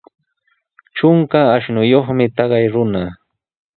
Trunka ashnuyuqmi taqay runa.